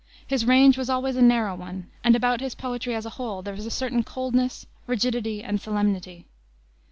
His range was always a narrow one, and about his poetry, as a whole, there is a certain coldness, rigidity, and solemnity.